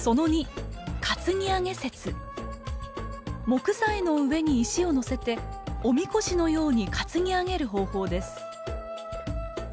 木材の上に石を載せておみこしのように担ぎ上げる方法です。